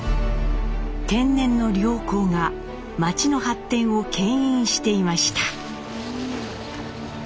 天然の良港が町の発展をけん引していました。